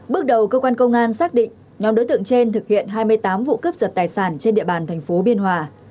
bước đầu cơ quan công an xác định nhóm đối tượng trên thực hiện hai mươi tám vụ cướp giật tài sản trên địa bàn thành phố biên hòa